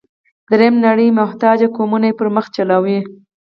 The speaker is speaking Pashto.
درېیمه نړۍ محتاج قومونه یې پر مخ چلوي.